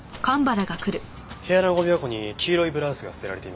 部屋のごみ箱に黄色いブラウスが捨てられていました。